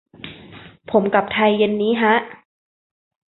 ผมกลับไทยเย็นนี้ฮะ